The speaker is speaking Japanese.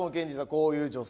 こういう女性。